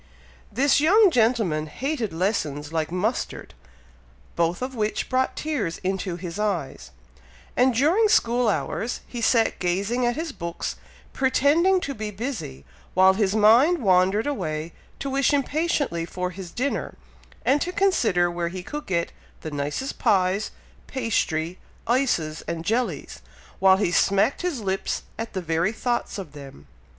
This young gentleman hated lessons like mustard, both of which brought tears into his eyes, and during school hours, he sat gazing at his books, pretending to be busy, while his mind wandered away to wish impatiently for his dinner, and to consider where he could get the nicest pies, pastry, ices, and jellies, while he smacked his lips at the very thoughts of them.